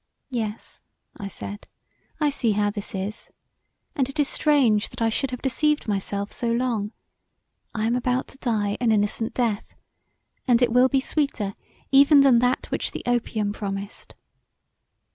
"Yes," I said, "I see how this is, and it is strange that I should have deceived myself so long; I am about to die an innocent death, and it will be sweeter even than that which the opium promised."